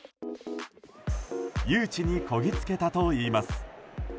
誘致にこぎつけたといいます。